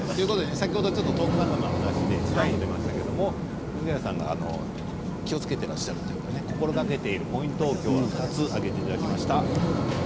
先ほどのトーク番組で、ちらっと出ましたが藤ヶ谷さんが気をつけてらっしゃる心がけている、ポイントを挙げていただきました。